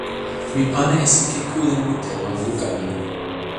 mi pana e sike kule mute lon luka mi.